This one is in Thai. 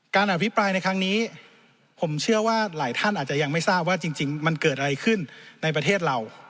อภิปรายในครั้งนี้ผมเชื่อว่าหลายท่านอาจจะยังไม่ทราบว่าจริงมันเกิดอะไรขึ้นในประเทศเรา